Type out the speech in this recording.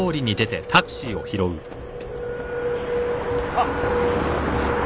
あっ。